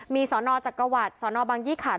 มีสลจกวัฏสลบางยี้ขัตน์